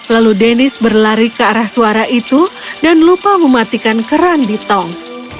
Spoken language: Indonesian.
lalu dennis berlari ke arah suara itu dan lupa mematikan keran di tong